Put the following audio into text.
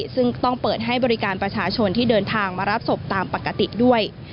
ซึ่งต้องเปิดให้บริการประชาชนที่เดินทางมารับศพตามปกติด้วย